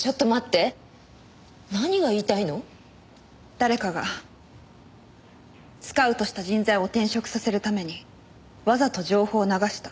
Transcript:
誰かがスカウトした人材を転職させるためにわざと情報を流した。